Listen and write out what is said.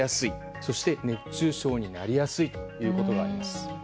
そして熱中症になりやすいということがあります。